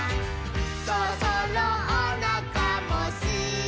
「そろそろおなかもすくでしょ」